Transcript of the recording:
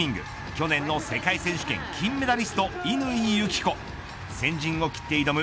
去年の世界選手権金メダリスト乾友紀子先陣を切って挑む